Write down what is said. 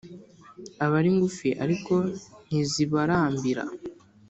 aba ari ngufi ariko ntizibarambira.